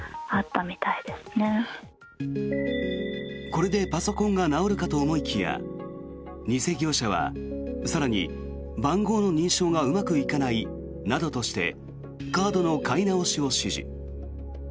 これでパソコンが直るかと思いきや偽業者は更に、番号の認証がうまくいかないなどとしてカードの買い直しを指示。